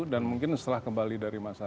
dan mungkin setelah kembali dari masa